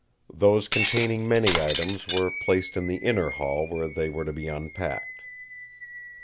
Those containing many items were placed in the inner hall where they were to be unpacked.